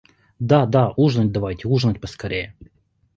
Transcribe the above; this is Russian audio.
Да, да, ужинать давайте, ужинать поскорее.